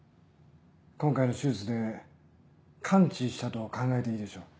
今回の手術で完治したと考えていいでしょう。